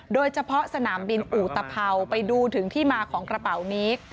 โดยเฉพาะสนามบินอุตภัวไปดูถึงที่มาของกระเป๋านี้